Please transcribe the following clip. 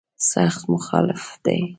سخت مخالف دی.